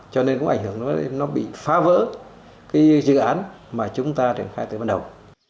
cho nên cũng ảnh hưởng nó bị phá vỡ cái dự án mà chúng ta triển khai từ bắt đầu